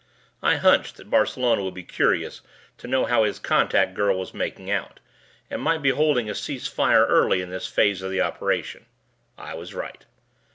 I hunched that Barcelona would be curious to know how his contact girl was making out, and might be holding a cease fire early in this phase of the operation. I was right.